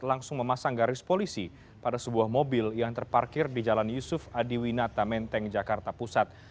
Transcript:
langsung memasang garis polisi pada sebuah mobil yang terparkir di jalan yusuf adiwinata menteng jakarta pusat